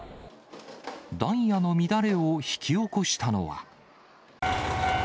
ダイヤの乱れを引き起こしたのは。